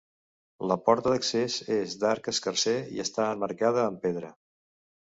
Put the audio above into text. La porta d'accés és d'arc escarser i està emmarcada amb pedra.